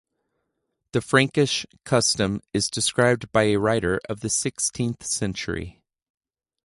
The Frankish custom is described by a writer of the sixteenth century.